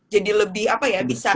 jadi lebih apa ya bisa